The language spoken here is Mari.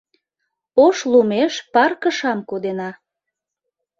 Ош лумеш пар кышам кодена.